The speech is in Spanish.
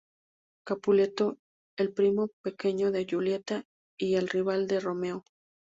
Capuleto, el primo pequeño de Julieta, y el rival de Romeo.